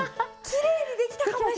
きれいにできたかも。